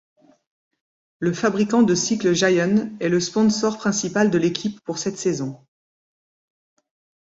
Le fabricant de cycles Giant est le sponsor principal de l'équipe pour cette saison.